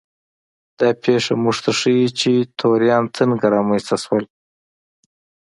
دا پېښه موږ ته ښيي چې توریان څنګه رامنځته شول.